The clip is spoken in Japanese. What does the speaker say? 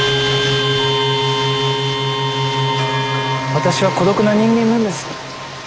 私は孤独な人間なんです。